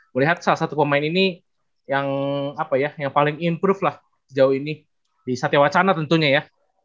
melihat salah satu pemain ini yang paling improve lah sejauh ini di satya wacana tentunya ya